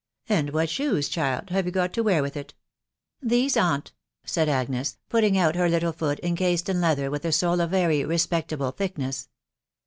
..• And what shoes, cssMge have you got to wear with it ?" La " These, aunt/' said Agnes, putting out her little 6ot£fL J cased in leather, with a sole of very respectable thickness.